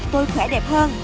tôi khỏe đẹp hơn